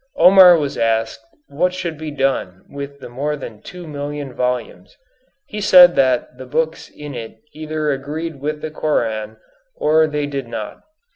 Omar was asked what should be done with the more than two million volumes. He said that the books in it either agreed with the Koran, or they did not.